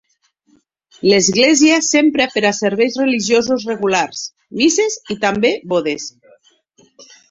L'església s'empra per a serveis religiosos regulars, misses i també bodes.